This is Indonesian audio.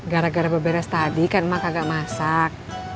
gara gara beres beres tadi kan mak kagak masak